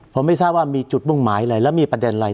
ผมไม่ทราบว่ามีจุดมุ่งหมายอะไรแล้วมีประเด็นอะไร